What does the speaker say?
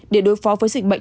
để đối phó với dịch bệnh